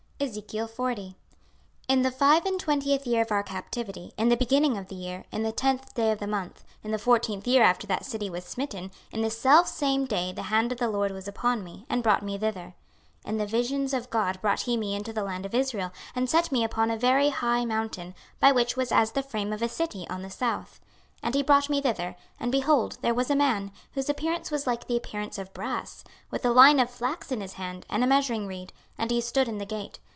26:040:001 In the five and twentieth year of our captivity, in the beginning of the year, in the tenth day of the month, in the fourteenth year after that the city was smitten, in the selfsame day the hand of the LORD was upon me, and brought me thither. 26:040:002 In the visions of God brought he me into the land of Israel, and set me upon a very high mountain, by which was as the frame of a city on the south. 26:040:003 And he brought me thither, and, behold, there was a man, whose appearance was like the appearance of brass, with a line of flax in his hand, and a measuring reed; and he stood in the gate.